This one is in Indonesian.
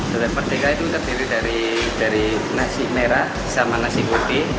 gulai merdeka itu terdiri dari nasi merah sama nasi putih